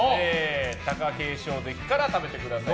貴景勝関から食べてください。